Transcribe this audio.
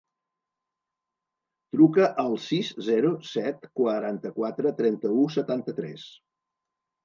Truca al sis, zero, set, quaranta-quatre, trenta-u, setanta-tres.